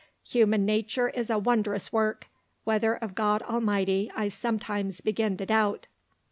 Human nature is a wondrous work, whether of God Almighty I sometimes begin to doubt."